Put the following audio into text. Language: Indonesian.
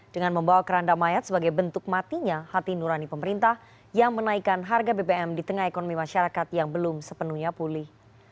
dengan membawa keranda mayat sebagai bentuk matinya hati nurani pemerintah yang menaikkan harga bbm di tengah ekonomi masyarakat yang belum sepenuhnya pulih